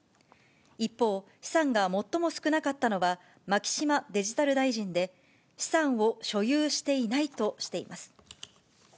一方、資産が最も少なかったのは牧島デジタル大臣で、資産を所有していないとしています。